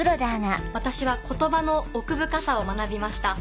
私は言葉の奥深さを学びました。